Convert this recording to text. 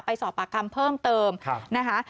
ไปสอบปากกรรมเพิ่มเติมนะคะ